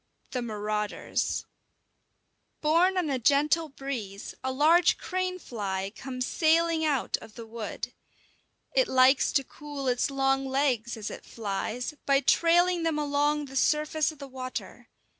IV: THE MARAUDERS Borne on a gentle breeze, a large crane fly comes sailing out of the wood. It likes to cool its long legs, as it flies, by trailing them along the surface of the water.